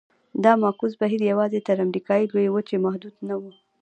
دا معکوس بهیر یوازې تر امریکا لویې وچې محدود نه و.